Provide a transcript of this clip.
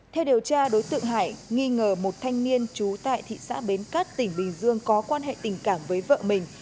theo điều tra đối tượng hải nghi ngờ một thanh niên trú tại thị xã bến cát tỉnh bình dương có quan hệ tình cảm với vợ mình